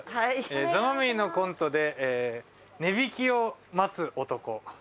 ザ・マミィのコントで「値引きを待つ男」。